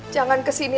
jangan kesini lagi